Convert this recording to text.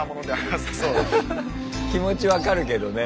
気持ち分かるけどね。